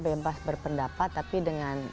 bebas berpendapat tapi dengan